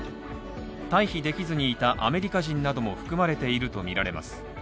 退避できずにいたアメリカ人なども含まれていると見られます